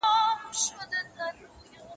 زه وخت نه تېرووم،